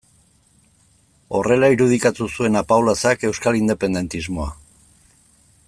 Horrela irudikatu zuen Apaolazak euskal independentismoa.